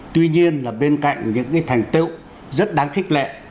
tuy nhiên là bên cạnh những cái thành tựu rất đáng khích lệ